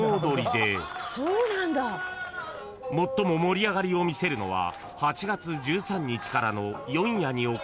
［最も盛り上がりを見せるのは］